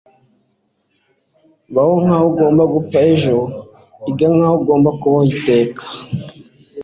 Baho nkaho ugomba gupfa ejo. Iga nkaho ugomba kubaho iteka. ”